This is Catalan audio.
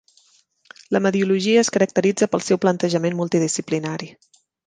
La mediologia es caracteritza pel seu plantejament multidisciplinari.